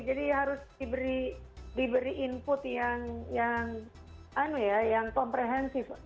jadi harus diberi input yang komprehensif